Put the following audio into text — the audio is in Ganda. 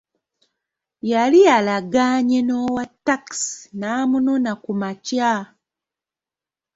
Yali alagaanye n'owatakisi an'amunona ku makya.